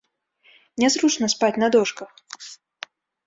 Нязручна спаць на дошках.